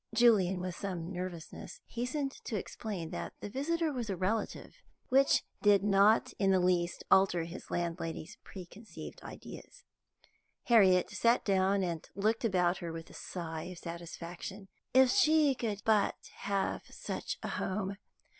Julian, with some nervousness, hastened to explain that the visitor was a relative, which did not in the least alter his landlady's preconceived ideas. Harriet sat down and looked about her with a sigh of satisfaction. If she could but have such a home!